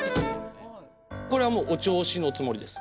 これはもうお銚子のつもりです。